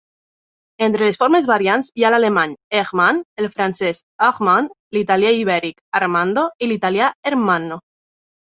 Entre les formes variants hi ha l'alemany "Hermann", el francès "Armand", l'italià i ibèric "Armando" i l'italià "Ermanno".